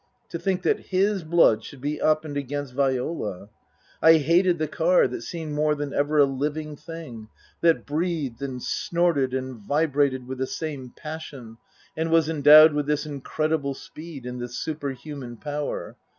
(To think that his blood should be up and against Viola !) I hated the car that seemed more than ever a living thing, that breathed and snorted and vibrated with the same passion, and was endowed with this incredible speed and this superhuman power.